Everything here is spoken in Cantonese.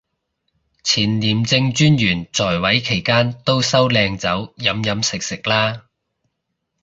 前廉政專員在位期間都收靚酒飲飲食食啦